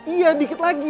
iya sedikit lagi